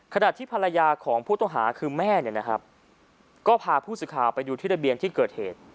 ขนาดที่ภรรยาของผู้ต้องหาคือแม่ก็พาผู้ศึกาไปอยู่ที่ระเบียงที่เกิดเหตุ